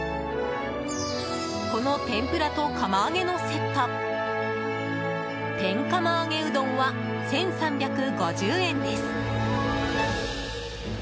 この天ぷらと釜揚げのセット天釜揚げうどんは１３５０円です。